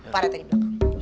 pak ranti di belakang